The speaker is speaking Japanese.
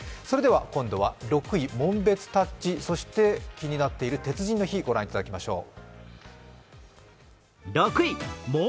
今度は６位、紋別タッチそして、気になっている鉄人の日御覧いただきましょう。